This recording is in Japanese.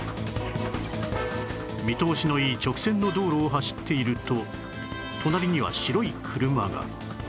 見通しのいい直線の道路を走っていると隣には白い車が